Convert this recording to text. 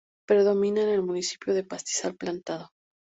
Predomina en el municipio el pastizal plantado.